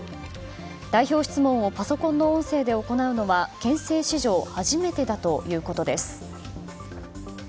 代表質問をパソコンの音声で行うのは憲政史上初めてだということです。